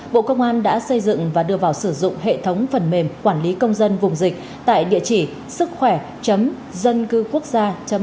bộ công an đã xây dựng và đưa vào sử dụng hệ thống phần mềm quản lý công dân vùng dịch tại địa chỉ